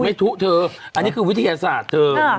ทุเธออันนี้คือวิทยาศาสตร์เธอ